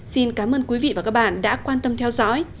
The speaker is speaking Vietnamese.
xin cảm ơn quý vị và các bạn đã quan tâm theo dõi